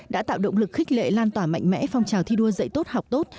đã tạo động lực khích lệ lan tỏa mạnh mẽ phong trào thi đua dạy tốt học tốt